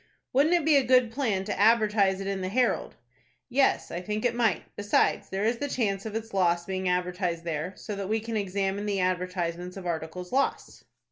"Wouldn't it be a good plan to advertise it in the 'Herald'?" "Yes, I think it might. Besides, there is the chance of its loss being advertised there, so that we can examine the advertisements of articles lost."